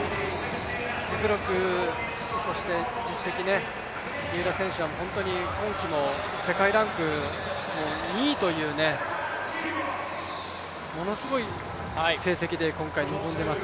実力、実績、三浦選手は本当に今季も世界ランク２位というものすごい成績で今回臨んでいます。